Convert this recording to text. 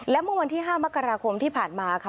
และมุมวันที่๕มกราคมที่ผ่านมา